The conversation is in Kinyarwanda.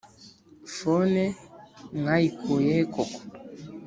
phone mwayikuye he koko